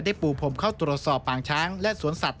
ปูพรมเข้าตรวจสอบปางช้างและสวนสัตว